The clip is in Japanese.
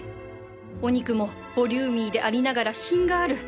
お肉もボリューミーでありながら品がある